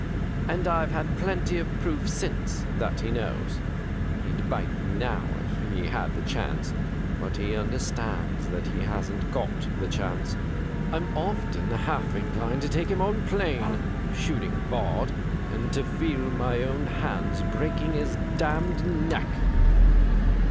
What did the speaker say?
And I've had plenty of proof since that he knows. He'd bite me now if he had the chance^ but he understands that he hasn't got the chance. I'm often half in clined to take him on plain — shoot ing barred — and to feel my own hands breaking his damned neck